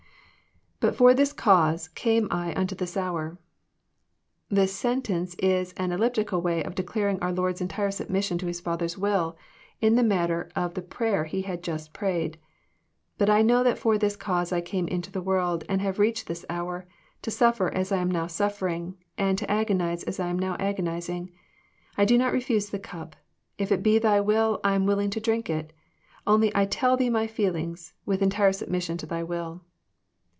IBut for this cause came Innto this hour.] This sentence is an elliptical way of declaring our Lord's entire submission to His Father's will, in the matter of the prayer He had just prayed. '* But I know that for this cause I came into the world and have reached this hour, to suffer as I am now suffering, and to agonize as I am now agonizing. I do not refase the cup. If it be Thy will, I am willing to drink it. Only I tell Thee my feelings, with entire submission to Thy will."